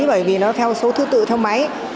bởi vì nó theo số thư tự theo máy